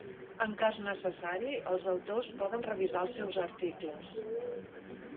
En cas necessari, els autors poden revisar els seus articles.